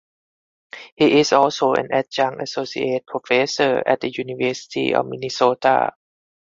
He is also an Adjunct Associate Professor at the University of Minnesota.